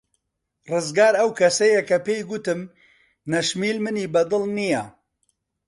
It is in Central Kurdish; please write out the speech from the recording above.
ڕزگار ئەو کەسەیە کە پێی گوتم نەشمیل منی بەدڵ نییە.